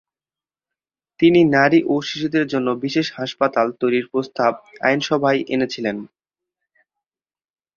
তিনি নারী ও শিশুদের জন্য বিশেষ হাসপাতাল তৈরীর প্রস্তাব আইনসভায় এনেছিলেন।